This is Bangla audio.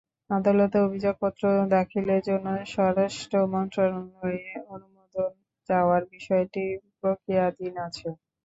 আদালতে অভিযোগপত্র দাখিলের জন্য স্বরাষ্ট্র মন্ত্রণালয়ে অনুমোদন চাওয়ার বিষয়টি প্রক্রিয়াধীন আছে।